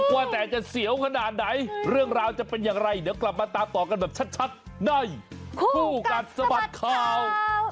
ว่าแต่จะเสียวขนาดไหนเรื่องราวจะเป็นอย่างไรเดี๋ยวกลับมาตามต่อกันแบบชัดในคู่กัดสะบัดข่าว